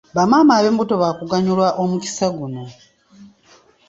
Bamaama ab'embuto baakuganyulwa omukisa guno.